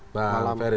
selamat malam ferry